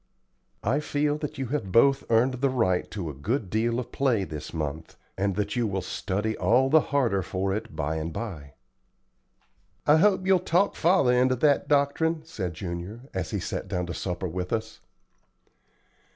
I feel that you have both earned the right to a good deal of play this month, and that you will study all the harder for it by and by." "I hope you'll talk father into that doctrine," said Junior, as he sat down to supper with us.